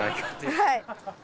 はい。